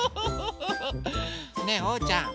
ねえおうちゃん。